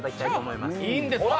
いいんですか。